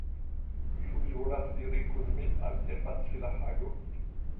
Ĉu vi volas iri kun mi al nefacila ago?